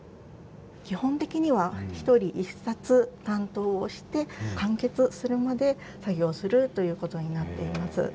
基本的には１人１冊担当をして完結するまで作業するということになっています。